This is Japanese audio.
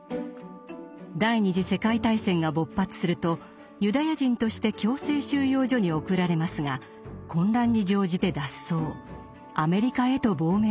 第二次世界大戦が勃発するとユダヤ人として強制収容所に送られますが混乱に乗じて脱走。